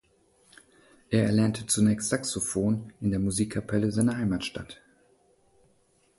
Er erlernte zunächst Saxophon in der Musikkapelle seiner Heimatstadt.